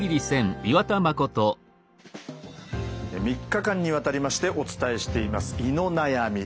３日間にわたりましてお伝えしています「胃の悩み」。